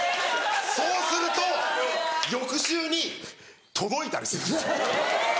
そうすると翌週に届いたりするんです。